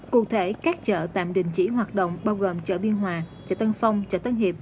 cụ thể các chợ tạm đình chỉ hoạt động bao gồm chợ biên hòa chợ tân phong chợ tân hiệp